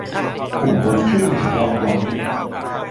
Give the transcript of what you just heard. ปุ่มบนเครื่องถูกล็อกไว้